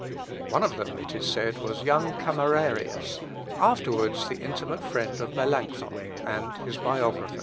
" One of them, it is said, was young Camerarius, afterwards the intimate friend of Melancthon, and his biographer.